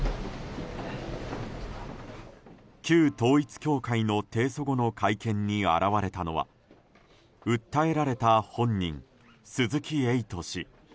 旧統一教会の提訴後の会見に現れたのは訴えられた本人、鈴木エイト氏。